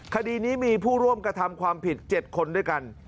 คดีนี้มีผู้ร่วมกระทำความผิด๗คนด้วยกัน